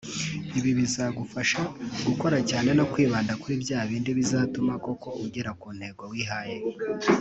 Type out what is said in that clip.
Ibi bizagufasha gukora cyane no kwibanda kuri bya bindi bizatuma koko ugera ku ntego wihaye